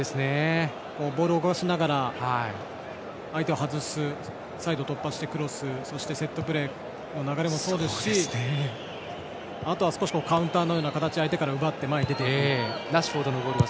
ボールを動かしながら相手を外すサイド突破してクロスそしてセットプレーの流れもそうですしあとはカウンターのような形から前に出ていく。